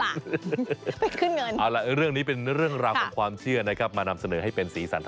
ไปขึ้นเงินเอาละงั้นเรื่องนี้เป็นเรื่องราวของความเชื่อมานำเสนอให้เป็นสีสัน